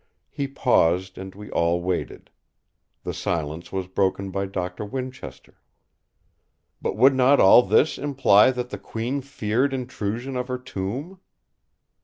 He paused and we all waited. The silence was broken by Doctor Winchester: "But would not all this imply that the Queen feared intrusion of her tomb?"